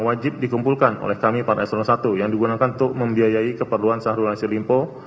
wajib dikumpulkan oleh kami para eselon satu yang digunakan untuk membiayai keperluan syahrul yassin limpo